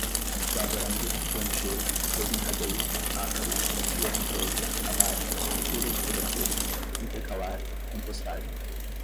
lavrando, plantio, desencadeia, ácaros, biocontrole, abate, culturas de cobertura, intercalar, compostagem